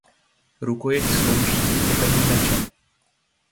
Rukojeť slouží k uchopení meče.